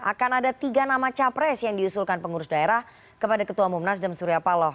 akan ada tiga nama capres yang diusulkan pengurus daerah kepada ketua umum nasdem surya paloh